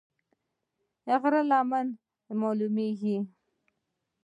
غر له لمنې مالومېږي